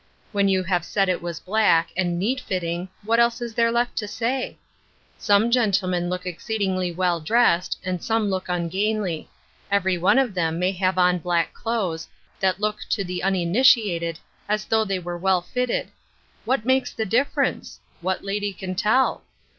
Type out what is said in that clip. When you have said it was black, and neat>fitting, what is there left to say ? Some gen tlemen look exceedingly well dressed, and some look ungainly ; and every one of them may have on black clothes, that look to the uninitiated as though they were well fitted. What makes the difference ? What lady can tell